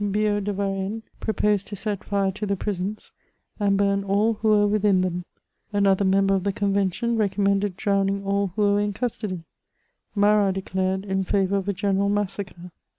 BiUaud de Varennes proposed to set fire to the prisons, and bum all who were within them ; ano ther member of the convention recommended drowning all who were in custody; Marat declared in favour of a general massacre.